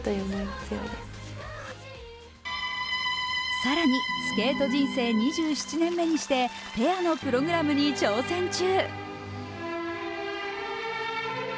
更にスケート人生２７年目にしてペアのプログラムに挑戦中。